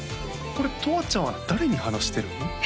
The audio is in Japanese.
これとわちゃんは誰に話してるの？